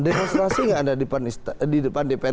demonstrasi nggak ada di depan dpr